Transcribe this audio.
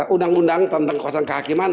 undang undang tentang kekuasaan kehakiman